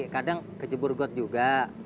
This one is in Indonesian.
kadang ke jebur got juga